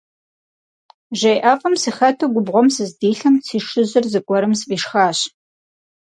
Жей ӀэфӀым сыхэту губгъуэм сыздилъым си шыжьыр зэгуэрым сфӀишхащ.